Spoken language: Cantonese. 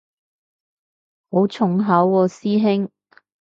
好重口喎師兄